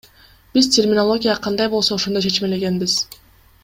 Биз терминология кандай болсо ошондой чечмелегенбиз.